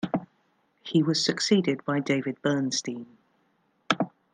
He was succeeded by David Bernstein.